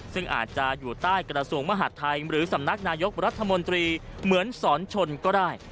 ซึ่งอาจจะอยู่ใต้กระทรวงมหาดไทยหรือสำนักนายกรัฐมนตรีเหมือนสอนชนก็ได้